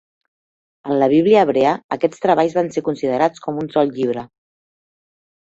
En la bíblia hebrea, aquests treballs van ser considerats com un sol llibre.